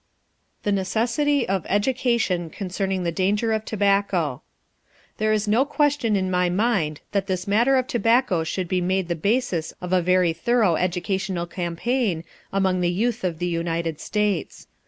THE NECESSITY OF EDUCATION CONCERNING THE DANGER OF TOBACCO There is no question in my mind that this matter of tobacco should be made the basis of a very thorough educational campaign among the youth of the United States.